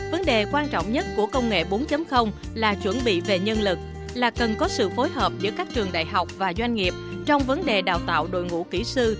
vấn đề quan trọng nhất của công nghệ bốn là chuẩn bị về nhân lực là cần có sự phối hợp giữa các trường đại học và doanh nghiệp trong vấn đề đào tạo đội ngũ kỹ sư